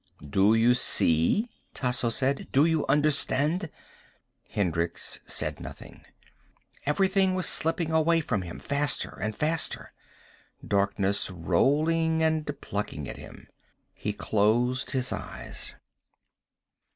"Do you see?" Tasso said. "Do you understand?" Hendricks said nothing. Everything was slipping away from him, faster and faster. Darkness, rolling and plucking at him. He closed his eyes.